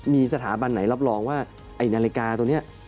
มีสถาบันไหนรับรองว่าไอ้นาฬิกาตัวนี้